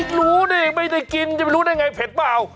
ไม่รู้นี่ไม่ได้กินไม่รู้ได้อย่างไรเผ็ดเปล่า